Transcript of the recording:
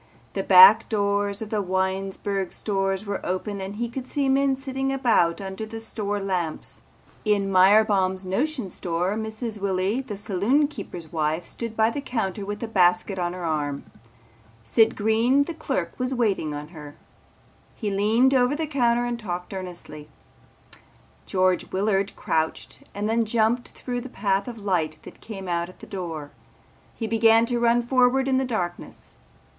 The back doors of the Winesburg stores were open and he could see men sitting about under the store lamps. In Myerbaum's Notion Store Mrs. Willy the saloon keeper's wife stood by the counter with a basket on her arm. Sid Green the clerk was waiting on her. He leaned over the counter and talked earnestly. George Willard crouched and then jumped through the path of light that came out at the door. He began to run forward in the darkness.